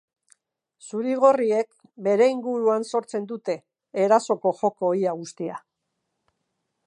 Zuri-gorriek bere inguruan sortzen dute erasoko joko ia guztia.